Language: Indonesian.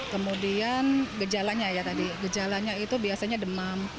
kemudian gejalanya ya tadi gejalanya itu biasanya demam